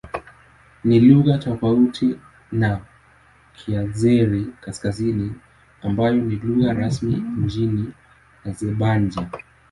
Ni lugha tofauti na Kiazeri-Kaskazini ambayo ni lugha rasmi nchini Azerbaijan.